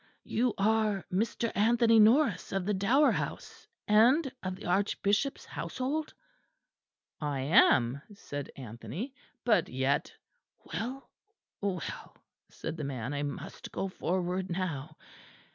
You are Mr. Anthony Norris of the Dower House, and of the Archbishop's household?"... "I am," said Anthony, "but yet " "Well, well," said the man, "I must go forward now.